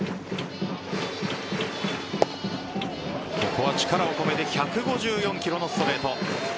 ここは力を込めて１５４キロのストレート。